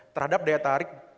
terhadap daya tarik